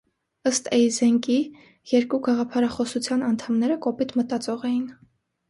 Ըստ էյզենկի՝ երկու գաղափարախոսության անդամները կոպիտ մտածող էին։